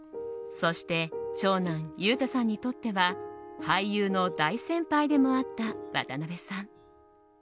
そして長男・裕太さんにとっては俳優の大先輩でもあった渡辺さん。